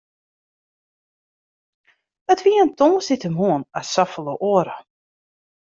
It wie in tongersdeitemoarn as safolle oare.